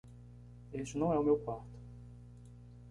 Este não é o meu quarto.